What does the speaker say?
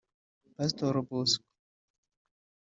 Pastor Bosco